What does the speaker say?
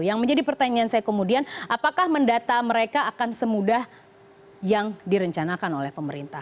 yang menjadi pertanyaan saya kemudian apakah mendata mereka akan semudah yang direncanakan oleh pemerintah